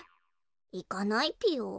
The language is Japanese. いかないぴよ。